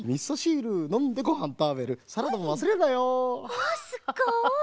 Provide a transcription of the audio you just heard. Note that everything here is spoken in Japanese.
わあすっごい。